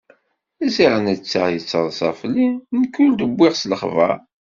Ziɣ netta yattaḍṣa fell-i, nekk ur d-wwiɣ s lexbar.